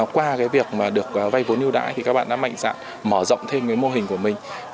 qua việc được vây vốn ưu đãi thì các bạn đã mạnh dạng mở rộng thêm mô hình của mình